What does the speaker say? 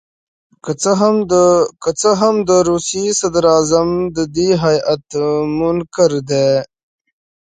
که څه هم د روسیې صدراعظم د دې هیات منکر دي.